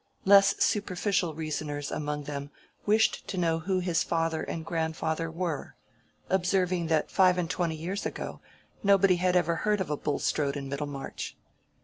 Less superficial reasoners among them wished to know who his father and grandfather were, observing that five and twenty years ago nobody had ever heard of a Bulstrode in Middlemarch.